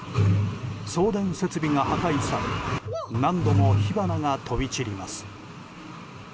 送電設備が破壊され何度も火花が飛び散ります。